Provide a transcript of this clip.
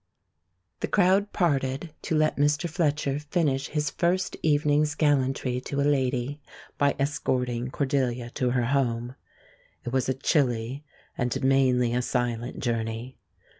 The crowd parted to let Mr. Fletcher finish his first evening's gallantry to a lady by escorting Cordelia to her home. It was a chilly and mainly a silent journey.